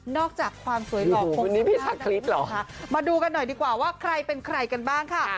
อกจากความสวยหล่อคนนี้พี่ชาคริสต์เหรอคะมาดูกันหน่อยดีกว่าว่าใครเป็นใครกันบ้างค่ะ